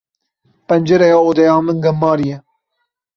Pencereya odeya min gemarî ye.